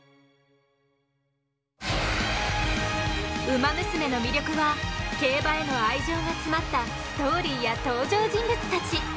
「ウマ娘」の魅力は競馬への愛情が詰まったストーリーや登場人物たち。